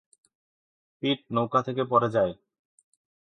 পিট নৌকা থেকে পড়ে যায়।